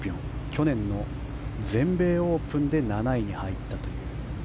去年の全米オープンで７位に入ったという。